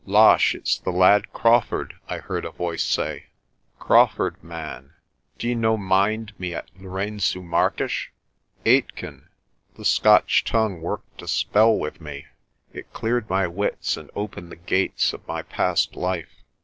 "Losh, it's the lad Crawfurd," I heard a voice say. "Crawfurd, man, d'ye no mind me at Lourengo Marques? Aitken?" The Scotch tongue worked a spell with me. It cleared my wits and opened the gates of my past life.